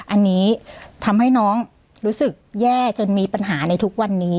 อันนี้ทำให้น้องรู้สึกแย่จนมีปัญหาในทุกวันนี้